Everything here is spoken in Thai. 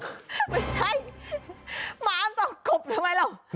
ไม่ใช่หมาส่องกบทำไมหรอก